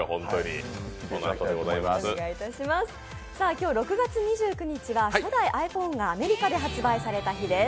今日６月２９日は初代ｉＰｈｏｎｅがアメリカで発売された日です。